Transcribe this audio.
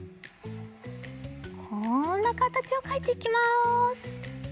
こんなかたちをかいていきます。